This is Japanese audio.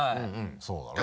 そうだね。